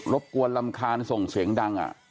บกวนรำคาญส่งเสียงดัง